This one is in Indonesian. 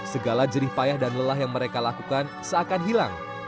segala jerih payah dan lelah yang mereka lakukan seakan hilang